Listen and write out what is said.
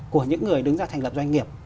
của những người đứng ra thành lập doanh nghiệp